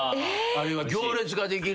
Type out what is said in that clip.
あれは行列ができる。